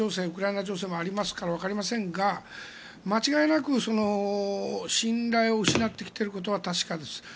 ウクライナ情勢もありますからわかりませんが間違いなく信頼を失ってきていることは確かです。